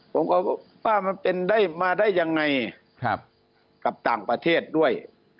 ผมก็ว่ามันมาได้อย่างไงกับต่างประเทศด้วย